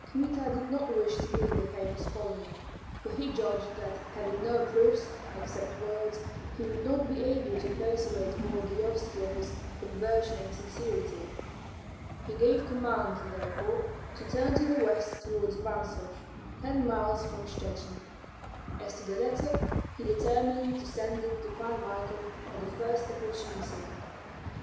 Kmita did not wish to meet the famous colonel, for he judged that having no proofs, except words, he would not be able to persuade Volodyovski of his conversion and sincerity. He gave command, therefore, to turn to the west toward Vansosh, ten miles from Shchuchyn. As to the letter he determined to send it to Pan Michael at the first opportunity.